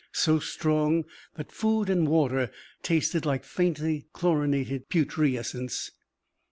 So strong that food and water tasted like faintly chlorinated putrescence.